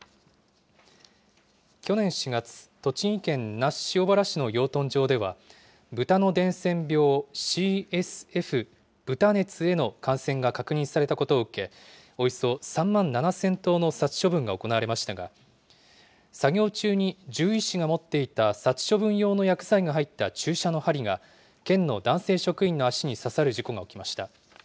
去年４月、栃木県那須塩原市の養豚場では、ブタの伝染病ＣＳＦ・豚熱への感染が確認されたことを受け、およそ３万７０００頭の殺処分が行われましたが、作業中に獣医師が持っていた殺処分用の薬剤が入った注射の針が、県の男性職員の足に刺さる事故が起きました。